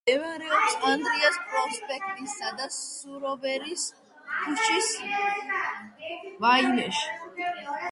მდებარეობს ვოროშილოვის პროსპექტისა და სუვოროვის ქუჩის კუთხეში.